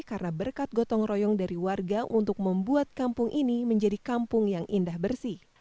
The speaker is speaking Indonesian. karena berkat gotong royong dari warga untuk membuat kampung ini menjadi kampung yang indah bersih